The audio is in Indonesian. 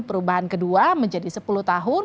perubahan kedua menjadi sepuluh tahun